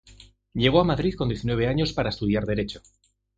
Llegó a Madrid con diecinueve años para estudiar Derecho.